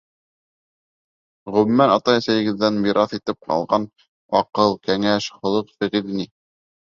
Ғөмүмән, атай-әсәйегеҙҙән мираҫ итеп алған аҡыл, кәңәш, холоҡ-фиғел ни?